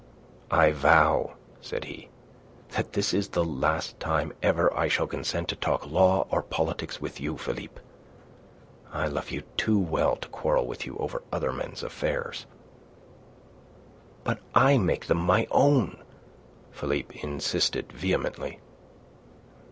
"I vow," said he, "that this is the last time ever I shall consent to talk law or politics with you, Philippe. I love you too well to quarrel with you over other men's affairs." "But I make them my own," Philippe insisted vehemently.